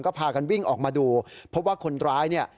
ก็พากันวิ่งออกมาดูเพราะว่าคนร้าย